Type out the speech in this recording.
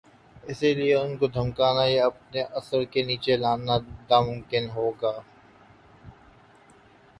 اسی لئے ان کو دھمکانا یا اپنے اثر کے نیچے لانا ناممکن ہو گیا۔